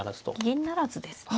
銀不成ですね。